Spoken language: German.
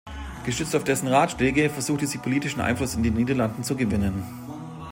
Gestützt auf dessen Ratschläge, versuchte sie politischen Einfluss in den Niederlanden zu gewinnen.